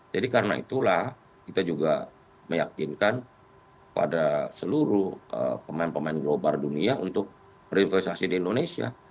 jadi karena itulah kita juga meyakinkan pada seluruh pemain pemain global dunia untuk berinvestasi di indonesia